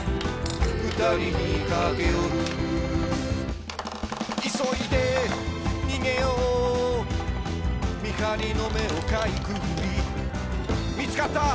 「ふたりにかけよる」「急いで逃げよう」「見張りの目をかいくぐり」「見つかった！